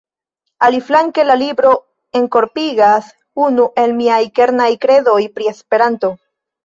Aliflanke, la libro enkorpigas unu el miaj kernaj kredoj pri Esperanto.